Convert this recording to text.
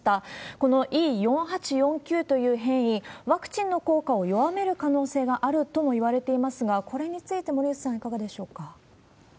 このＥ４８４Ｑという変異、ワクチンの効果を弱める可能性があるともいわれていますが、これについて、森内さん、いかがでしょうか？